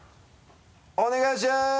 お願いしやす！